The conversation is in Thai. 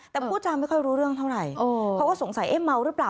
แต่พูดจาไม่ค่อยรู้เรื่องเท่าไหร่เขาก็สงสัยเอ๊ะเมาหรือเปล่า